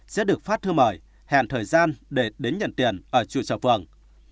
sẽ được phát thư mời hẹn thời gian để đến nhận tiền ở trụ sở phường